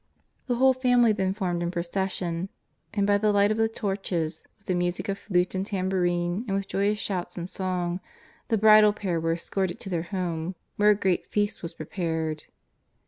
The whole family then formed in procession, and by the light of the torches, with the music of Ante and tambourine, and with joyous shouts and song, the bridal pair were es corted to their home, where a great feast was prepared.